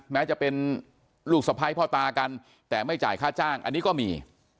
แม้จะเป็นลูกสะพ้ายพ่อตากันแต่ไม่จ่ายค่าจ้างอันนี้ก็มี